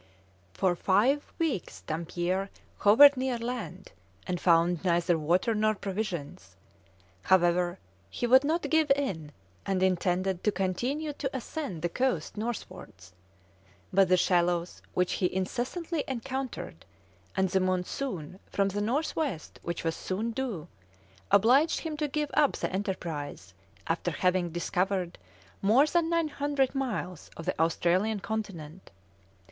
For five weeks Dampier hovered near land, and found neither water nor provisions; however, he would not give in, and intended to continue to ascend the coast northwards, but the shallows which he incessantly encountered, and the monsoon from the north west which was soon due, obliged him to give up the enterprise, after having discovered more than 900 miles of the Australian continent.